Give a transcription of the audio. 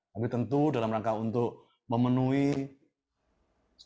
tapi tentu dalam rangka untuk memenuhi keseluruhan soal ini